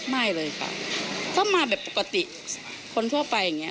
ไม่ค่ะไม่เลยค่ะเค้ามาแบบปกติคนทั่วไปอย่างเงี้ย